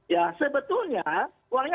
ya sebetulnya uangnya